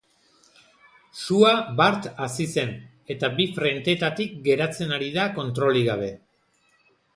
Sua bart hasi zen eta bi frentetatik garatzen ari da kontrolik gabe.